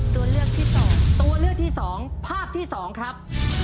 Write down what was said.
ตัวเลือกที่๒ภาพที่๒ครับ